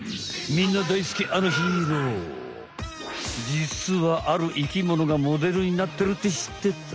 みんな大好き実はある生きものがモデルになってるって知ってた？